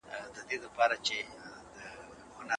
صحتمند خوراک د ماشوم وده ښه کوي.